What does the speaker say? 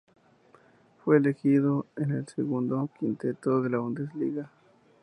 Fue elegido en el Segundo Quinteto de la Bundesliga.